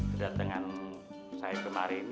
kedatangan saya kemarin